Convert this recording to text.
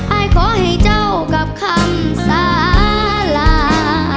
อายขอให้เจ้ากับคำสารา